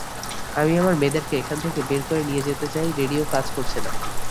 আমি আমার মেয়েদেরকে এখান থেকে বের করে নিয়ে যেতে চাই রেডিও কাজ করছে না।